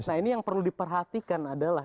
nah ini yang perlu diperhatikan adalah